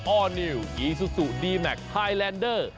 อร์นิวอีซูซูดีแมคไฮแลนเดอร์